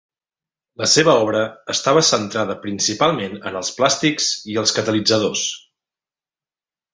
La seva obra estava centrada principalment en els plàstics i els catalitzadors.